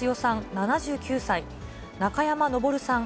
７９歳、中山昇さん